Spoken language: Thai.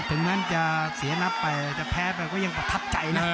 ถึงแม้จะเสียนับไปแต่แพ้ไปก็ยังประทับใจนะ